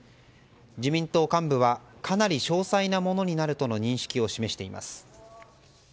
自民党幹部はかなり詳細なものになるとの認識を示しています。